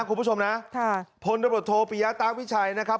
คุณผู้ชมนะพลดับบริโธปิยาตราวิชัยนะครับ